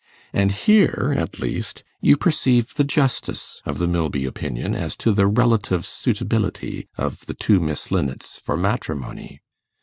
And here, at least, you perceive the justice of the Milby opinion as to the relative suitability of the two Miss Linnets for matrimony.